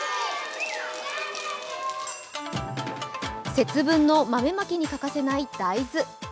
節分の豆まきに欠かせない大豆。